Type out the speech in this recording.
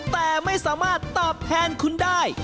แต่ไม่สามารถตอบแทนคุณได้